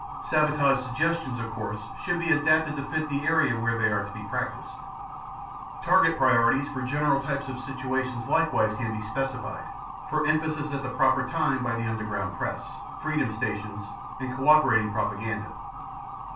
Sabotage suggestions, of course, should be adapted to fit the area where they are to be practiced. Target priorities for general types of situations likewise can be specified, for emphasis at the proper time by the underground press, freedom stations, and cooperating propaganda.